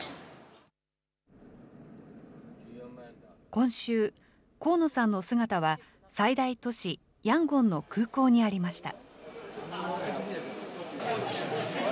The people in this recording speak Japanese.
今週、河野さんの姿は、最大都市ヤンゴンの空港にありました。